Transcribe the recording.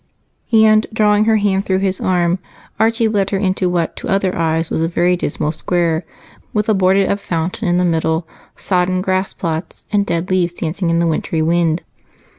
And drawing her hand through his arm, Archie led her into what to other eyes was a very dismal square, with a boarded up fountain in the middle, sodden grass plots, and dead leaves dancing in the wintry wind.